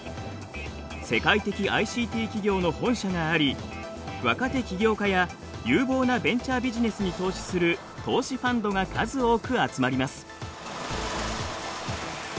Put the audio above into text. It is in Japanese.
世界的ＩＣＴ企業の本社があり若手起業家や有望なベンチャービジネスに投資する投資ファンドが数多く集まります。